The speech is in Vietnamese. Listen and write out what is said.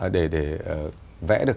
để vẽ được